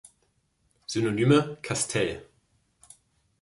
Synonyme: Castel.